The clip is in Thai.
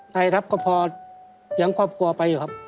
ได้ครับก็พอยังครอบครัวไปครับ